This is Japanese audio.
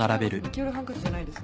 黄色いハンカチじゃないです。